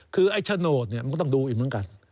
คือไอ้โฉนดเนี่ยมันก็ต้องดูอีกเหมือนกัน